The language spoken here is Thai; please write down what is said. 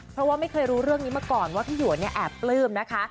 เพราะว่าไม่เคยรู้เรื่องนี้มาก่อนว่าพี่หวนเนี่ยแอบปลื้มนะคะ